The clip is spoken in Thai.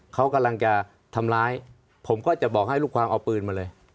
เขากำลังจะทำร้ายผมก็จะบอกให้ลูกความเอาปืนมาเลย